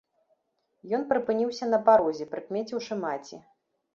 Ён прыпыніўся на парозе, прыкмеціўшы маці.